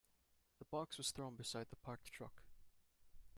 The box was thrown beside the parked truck.